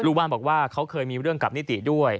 บ้านบอกว่าเขาเคยมีเรื่องกับนิติด้วย